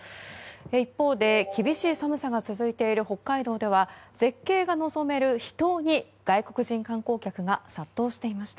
一方で厳しい寒さが続いている北海道では絶景が望める秘湯に外国人観光客が殺到していました。